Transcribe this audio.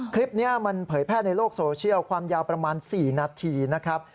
คลิปนี้มันเผยแพร่ในโลกโซเชียลความยาวประมาณ๔นาทีนะครับ